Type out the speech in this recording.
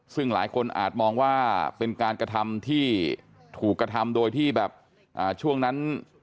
ซึ่งหลายคนอาจมองว่าเป็นการกระทำที่ถูกกระทำโดยที่แบบช่วงนั้น